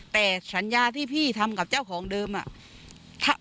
แต่สัญญาที่พี่ทำกับเจ้าของเดิมอะ